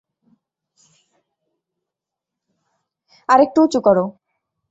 আরেকটু উঁচু করো।